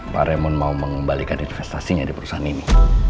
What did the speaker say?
pak remon mau mengembalikan investasinya di perusahaan ini